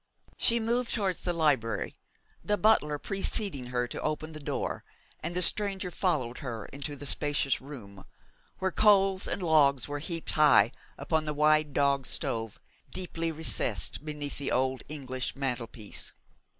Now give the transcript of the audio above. She moved towards the library, the butler preceding her to open the door, and the stranger followed her into the spacious room, where coals and logs were heaped high upon the wide dog stove, deeply recessed beneath the old English mantelpiece.